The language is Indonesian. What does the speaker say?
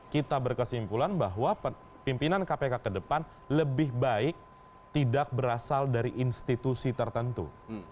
kita berkesimpulan bahwa pimpinan kpk ke depan lebih baik tidak berasal dari institusi tertentu